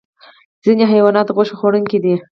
ځینې حیوانات غوښه خوړونکي دي